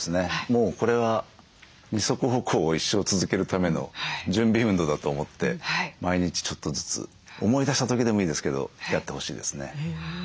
もうこれは二足歩行を一生続けるための準備運動だと思って毎日ちょっとずつ思い出した時でもいいですけどやってほしいですね。